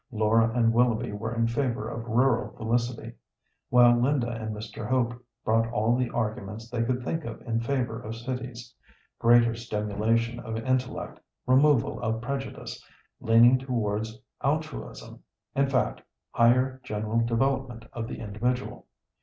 Laura and Willoughby were in favour of rural felicity, while Linda and Mr. Hope brought all the arguments they could think of in favour of cities—greater stimulation of the intellect, removal of prejudice, leaning towards altruism; in fact, higher general development of the individual.